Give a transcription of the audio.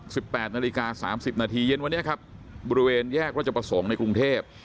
แปดนาฬิกาสามสิบนาทีเย็นวันนี้ครับบริเวณแยกรัชประสงค์ในกรุงเทพ